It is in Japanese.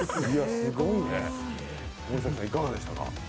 すごいね、森崎さんいかがでしたか？